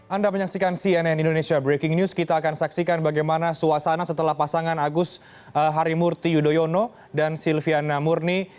anda menyaksikan cnn indonesia breaking news kita akan saksikan bagaimana suasana setelah pasangan agus harimurti yudhoyono dan silviana murni